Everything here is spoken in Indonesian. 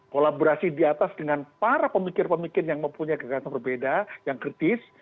kolaborasi di atas dengan para pemikir pemikir yang mempunyai gagasan berbeda yang kritis